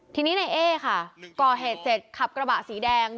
ทีนี้ในเอ๊ค่ะก่อเหตุเสร็จขับกระบะสีแดง